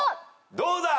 どうだ？